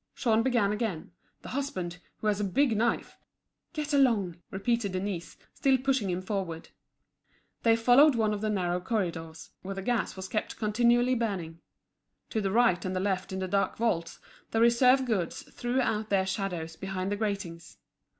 Jean began again: "The husband, who has a big knife—" "Get along!" repeated Denise, still pushing him forward. They followed one of the narrow corridors, where the gas was kept continually burning. To the right and the left in the dark vaults the reserve goods threw out their shadows behind the gratings.